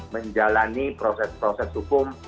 menjalani proses proses hukum